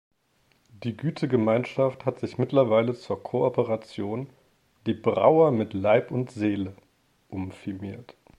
Die Gütegemeinschaft hat sich mittlerweile zur Kooperation "Die Brauer mit Leib und Seele" umfirmiert.